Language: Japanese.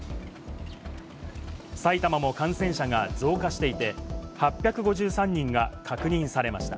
埼玉も感染者が増加していて、８５３人が確認されました。